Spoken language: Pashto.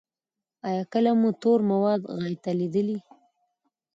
ایا کله مو تور مواد غایطه لیدلي؟